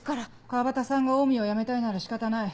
川端さんがオウミを辞めたいなら仕方ない。